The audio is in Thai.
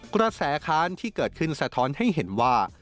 กุฤษาอาคารที่เกิดขึ้นสะท้อนให้เห็นว่า